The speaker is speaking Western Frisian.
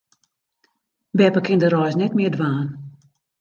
Beppe kin de reis net mear dwaan.